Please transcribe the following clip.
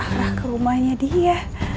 arah ke rumahnya dia